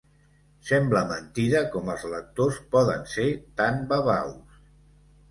Sembla mentida com els lectors poden ser tan babaus.